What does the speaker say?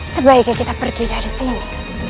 sebaiknya kita pergi dari sini